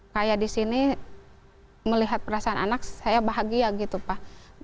kayak di sini melihat perasaan anak saya bahagia gitu pak